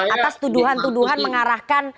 atas tuduhan tuduhan mengarahkan